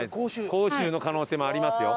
甲州の可能性もありますよ。